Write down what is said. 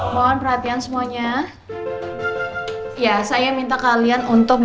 mohon perhatian semuanya ya saya minta kalian untuk